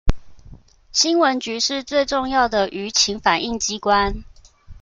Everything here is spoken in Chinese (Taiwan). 新聞局是最重要的輿情反映機關